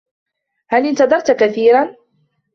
هل انتظرت كثيرا؟